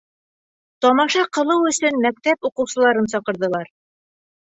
Тамаша ҡылыу өсөн мәктәп уҡыусыларын саҡырҙылар.